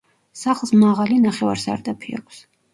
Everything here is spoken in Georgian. სახლს მაღალი ნახევარსარდაფი აქვს.